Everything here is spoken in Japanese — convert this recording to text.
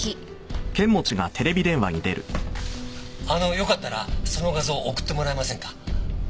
あのよかったらその画像送ってもらえませんか？